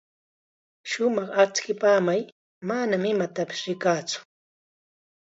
Shumaq achkipamay, manam imatapis rikaatsu.